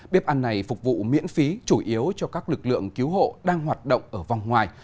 bếp ăn này phục vụ miễn phí chủ yếu cho các lực lượng cứu hộ đang hoạt động ở vòng ngoài